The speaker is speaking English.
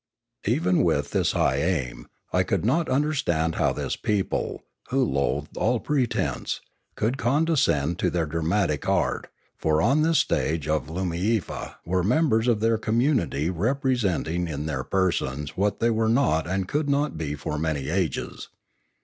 Even with this high aim, I could not understand how this people, who loathed all pretence, could condescend to their dramatic art; for on this stage of Loomiefa were members of their community representing in their persons what they were not and could not be for many ages.